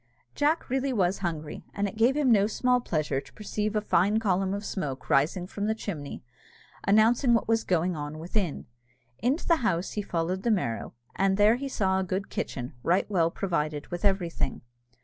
Jack really was hungry, and it gave him no small pleasure to perceive a fine column of smoke rising from the chimney, announcing what was going on within. Into the house he followed the Merrow, and there he saw a good kitchen, right well provided with everything.